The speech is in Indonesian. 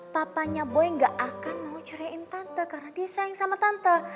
papanya si boy ga akan mau ceraiin tante karena dia sayang sama tante